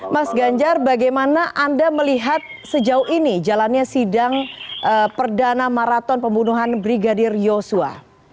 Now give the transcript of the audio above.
mas ganjar bagaimana anda melihat sejauh ini jalannya sidang perdana maraton pembunuhan brigadir yosua